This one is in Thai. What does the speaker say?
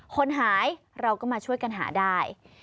คนหายเราก็มาช่วยกันหาได้